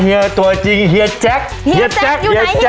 ขอเหยียตัวจริงเฮียแจ็คแห่งทรงเป็ดพะโหล